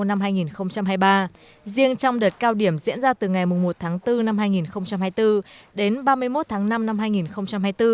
năm hai nghìn hai mươi ba riêng trong đợt cao điểm diễn ra từ ngày một tháng bốn năm hai nghìn hai mươi bốn đến ba mươi một tháng năm năm hai nghìn hai mươi bốn